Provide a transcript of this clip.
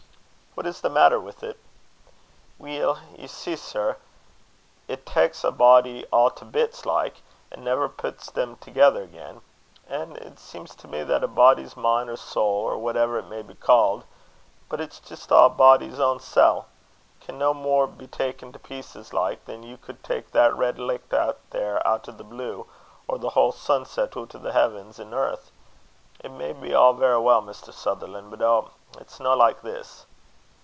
"What is the matter with it?" "Weel, ye see, sir, it taks a body a' to bits like, and never pits them together again. An' it seems to me that a body's min' or soul, or whatever it may be called but it's jist a body's ain sel' can no more be ta'en to pieces like, than you could tak' that red licht there oot o' the blue, or the haill sunset oot o' the heavens an' earth. It may be a' verra weel, Mr. Sutherland, but oh! it's no like this!"